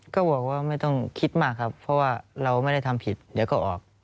ก็บอกว่าไม่ต้องคิดมากครับเพราะว่าเราไม่ได้ทำผิดเดี๋ยวก็ออก